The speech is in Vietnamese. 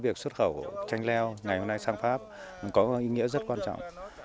việc xuất khẩu chanh leo ngày hôm nay sang pháp có ý nghĩa rất quan trọng